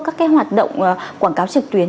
các cái hoạt động quảng cáo trực tuyến